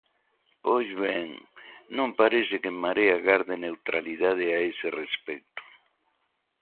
Pois ben, non parece que En Marea garde neutralidade a ese respecto.